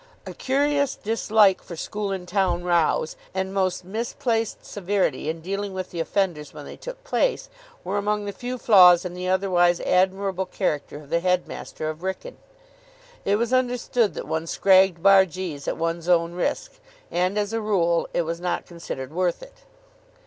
A curious dislike for school and town rows and most misplaced severity in dealing with the offenders when they took place, were among the few flaws in the otherwise admirable character of the headmaster of Wrykyn. It was understood that one scragged bargees at one's own risk, and, as a rule, it was not considered worth it.